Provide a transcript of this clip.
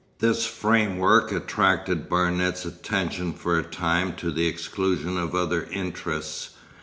This framework attracted Barnet's attention for a time to the exclusion of other interests.